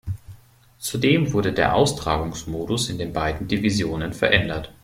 Zudem wurde der Austragungsmodus in den beiden Divisionen verändert.